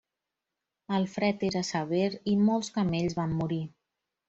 El fred era sever i molts camells van morir.